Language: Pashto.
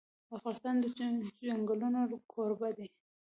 افغانستان د چنګلونه کوربه دی.